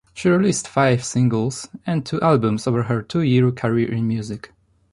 She released five singles and two albums over her two-year career in music.